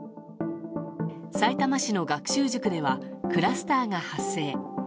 さいたま市の学習塾ではクラスターが発生。